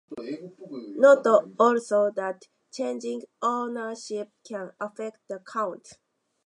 Note also that changing ownership can affect the count.